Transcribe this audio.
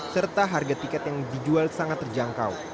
serta harga tiket yang dijual sangat terjangkau